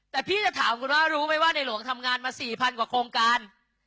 แต่พี่จะถามคุณว่ารู้ไหมว่าในหลวงทำงานมา๔๐๐กว่าโครงการ